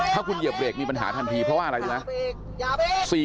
ถ้าคุณเหยียบเบรกมีปัญหาทันทีเพราะว่าอะไรรู้ไหม